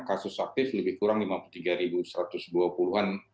kasus aktif lebih kurang lima puluh tiga satu ratus dua puluh an